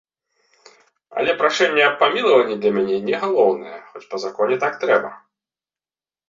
Але прашэння аб памілаванні для мяне не галоўнае, хоць па законе так трэба.